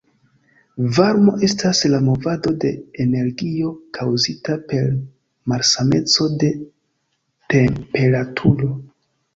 Varmo estas la movado de energio kaŭzita per malsameco de temperaturo.